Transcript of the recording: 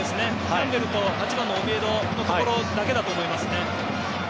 キャンベルと８番のオビエドのところだけだと思いますね。